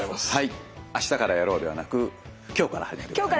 明日からやろうではなく今日から始めてくださいね。